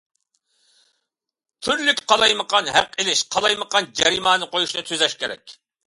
تۈرلۈك قالايمىقان ھەق ئېلىش، قالايمىقان جەرىمانە قويۇشنى تۈزەش كېرەك.